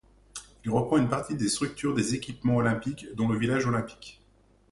Il reprend une partie des structures des équipements olympiques dont le village olympique.